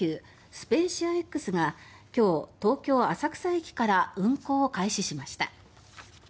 スペーシアＸが今日、東京・浅草駅から運行を開始しました。